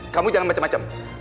kamu jangan macem macem